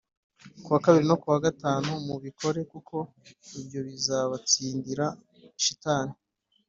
kuwa kabiri no kuwa gatanu, mubikore kuko nibyo bizabatsindira shitani.